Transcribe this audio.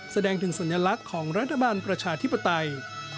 แสดงถึงสัญลักษณ์ของรัฐบาลประชาธิปไตย